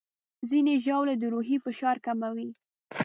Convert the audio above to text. ځینې ژاولې د روحي فشار کموي.